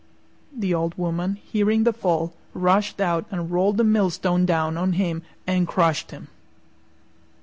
The Old Woman, hearing the fall, rushed out and rolled the millstone down on him and crushed him.